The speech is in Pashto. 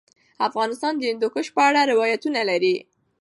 افغانستان د هندوکش په اړه روایتونه لري.